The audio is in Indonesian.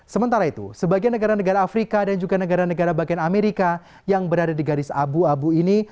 sementara itu sebagian negara negara afrika dan juga negara negara bagian amerika yang berada di garis abu abu ini